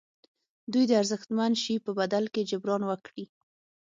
دوی د ارزښتمن شي په بدل کې جبران وکړي.